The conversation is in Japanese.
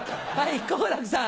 好楽さん。